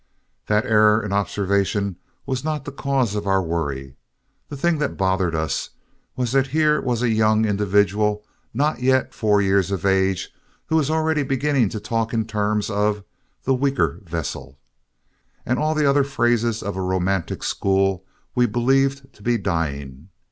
That error in observation was not the cause of our worry. The thing that bothered us was that here was a young individual, not yet four years of age, who was already beginning to talk in terms of "the weaker vessel" and all the other phrases of a romantic school we believed to be dying.